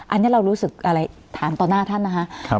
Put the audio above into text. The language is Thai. อันนี้เรารู้สึกอะไรถามต่อหน้าท่านนะคะ